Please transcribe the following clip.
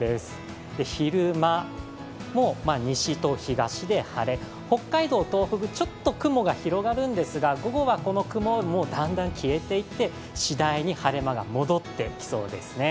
昼間も西と東で晴れ北海道、東北、ちょっと雲が広がるんですが午後はこの雲もだんだん消えていって次第に晴れ間が戻ってきそうですね。